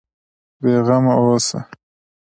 بېغمه اوسه.